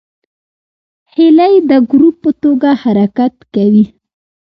هیلۍ د ګروپ په توګه حرکت کوي